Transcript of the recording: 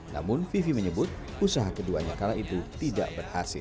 namun vivi menyebut usaha keduanya kala itu tidak berhasil